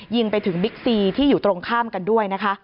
ยิงไปถึงบิ๊กซีที่อยู่ตรงข้ามกันด้วยนะคะ